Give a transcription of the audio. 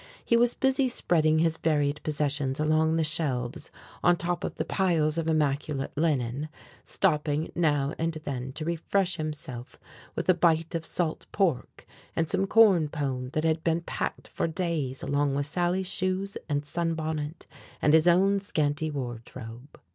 He was busy spreading his varied possessions along the shelves on top of the piles of immaculate linen, stopping now and then to refresh himself with a bite of salt pork and some corn pone that had been packed for days along with Sally's shoes and sunbonnet and his own scanty wardrobe.